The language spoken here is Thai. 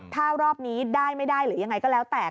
ถ้ารอบนี้ได้ไม่ได้หรือยังไงก็แล้วแต่